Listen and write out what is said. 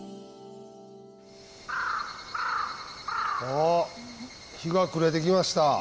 あっ日が暮れてきました。